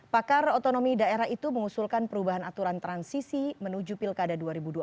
pakar otonomi daerah itu mengusulkan perubahan aturan transisi menuju pilkada dua ribu dua puluh